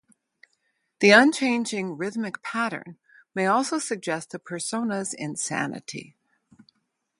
The unchanging rhythmic pattern may also suggest the persona's insanity.